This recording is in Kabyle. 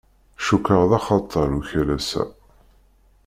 Cukkeɣ d axatar ukalas-a.